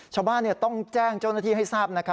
ชาวบ้านต้องแจ้งเจ้าหน้าที่ให้ทราบ